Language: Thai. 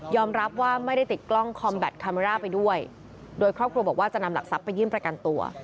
รับว่าไม่ได้ติดกล้องคอมแบตคาเมร่าไปด้วยโดยครอบครัวบอกว่าจะนำหลักทรัพย์ไปยื่นประกันตัว